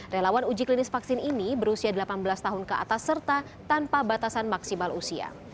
relawan uji klinis vaksin ini berusia delapan belas tahun ke atas serta tanpa batasan maksimal usia